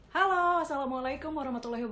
halo assalamualaikum wr wb